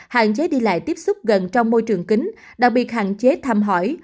hạn chế đi lại tiếp xúc gần trong môi trường kính đặc biệt hạn chế thăm hỏi